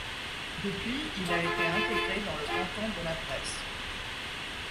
Depuis, il a été intégré dans le canton de La Bresse.